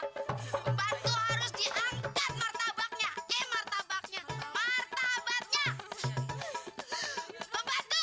pembantu juga manusia punya rasa punya hati